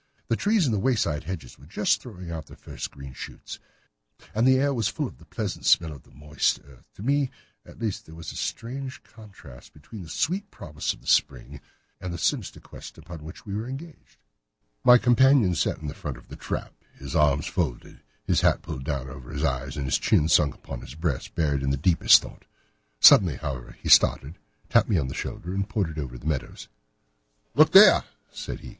The trees and wayside hedges were just throwing out their first green shoots, and the air was full of the pleasant smell of the moist earth. To me at least there was a strange contrast between the sweet promise of the spring and this sinister quest upon which we were engaged. My companion sat in the front of the trap, his arms folded, his hat pulled down over his eyes, and his chin sunk upon his breast, buried in the deepest thought. Suddenly, however, he started, tapped me on the shoulder, and pointed over the meadows. "Look there!" said he.